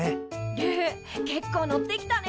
ルー結構乗ってきたね。